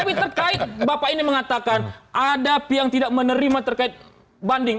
tapi terkait bapak ini mengatakan ada yang tidak menerima terkait banding